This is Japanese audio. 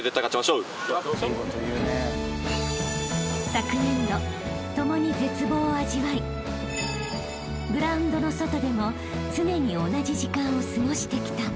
［昨年度共に絶望を味わいグラウンドの外でも常に同じ時間を過ごしてきた］